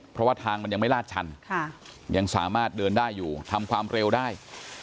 เพราะว่าทางมันยังไม่ลาดชันยังสามารถเดินได้อยู่ทำความเร็วได้